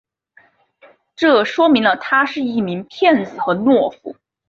这说明了他是一名骗子和懦夫。